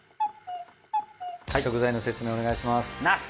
食材の説明お願いします。